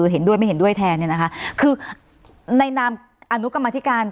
เห็นด้วยไม่เห็นด้วยแทนเนี่ยนะคะคือในนามอนุกรรมธิการ